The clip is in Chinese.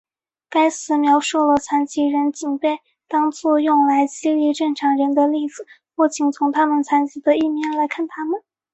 该词描述了残疾人仅被当做用来激励正常人的例子或仅从他们残疾的一面来看他们。